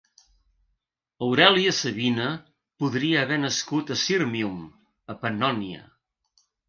Aurèlia Sabina podria haver nascut a Sírmium, a Pannònia.